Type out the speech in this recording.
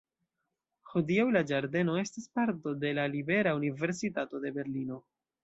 Hodiaŭ, la ĝardeno estas parto de la Libera Universitato de Berlino.